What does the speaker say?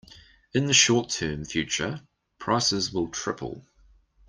In the short term future, prices will triple.